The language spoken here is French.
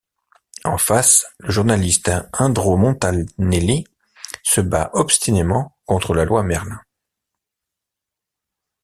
En face, le journaliste Indro Montanelli se bat obstinément contre la loi Merlin.